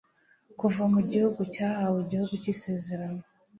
kuva mu gihugu cyahawe igihugu cy'isezerano